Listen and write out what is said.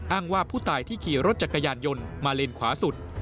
ว่าผู้ตายที่ขี่รถจักรยานยนต์มาเลนขวาสุด